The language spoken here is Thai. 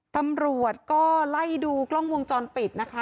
ตำรวจก็ไล่ดูกล้องวงจรปิดนะคะ